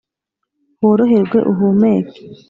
woroherwe uhumeke